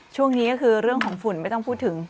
ช่วงนี้ก็คือเรื่องของฝุ่นไม่ต้องพูดถึง